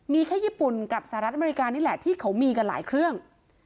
มีแค่ญี่ปุ่นกับสหรัฐอเมริกานี่แหละที่เขามีกันหลายเครื่อง